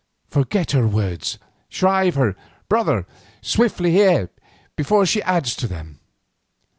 Forget her words. Shrive her, brother, swiftly ere she adds to them."